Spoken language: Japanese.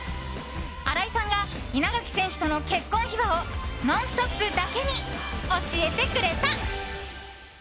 新井さんが稲垣選手との結婚秘話を「ノンストップ！」だけに教えてくれた。